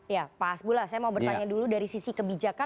ya pak hasbullah saya mau bertanya dulu dari sisi kebijakan